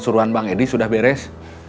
suruhan bang edi sudah beres